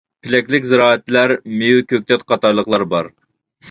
پېلەكلىك زىرائەتلەر، مېۋە، كۆكتات قاتارلىقلار بار.